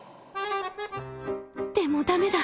でもダメだ！